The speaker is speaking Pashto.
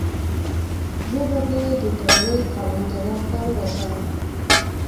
زه به دې ډیترویت هوایي ډګر ته ورسوم.